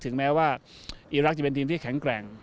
แม้ว่าอีรักษ์จะเป็นทีมที่แข็งแกร่ง